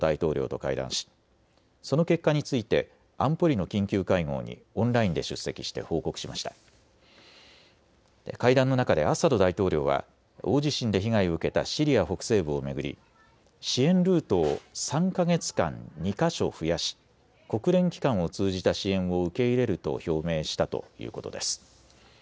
会談の中でアサド大統領は大地震で被害を受けたシリア北西部を巡り支援ルートを３か月間、２か所増やし国連機関を通じた支援を受け入れると表明したということです。